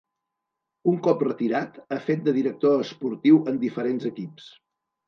Un cop retirat, ha fet de director esportiu en diferents equips.